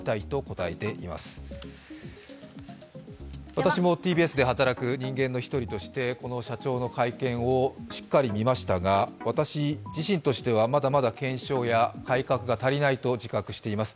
私もＴＢＳで働く人間の１人として、この社長の会見をしっかり見ましたが、私自身としてはまだまだ検証や改革が足りないと自覚しています。